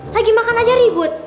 lagi makan aja ribut